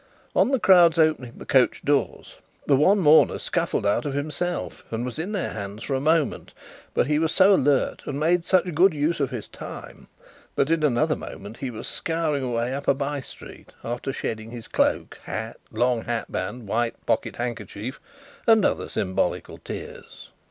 On the crowd's opening the coach doors, the one mourner scuffled out by himself and was in their hands for a moment; but he was so alert, and made such good use of his time, that in another moment he was scouring away up a bye street, after shedding his cloak, hat, long hatband, white pocket handkerchief, and other symbolical tears.